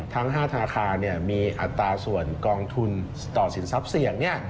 ทั้ง๕ธนาคารมีอัตราส่วนกองทุนต่อสินทรัพย์เสี่ยง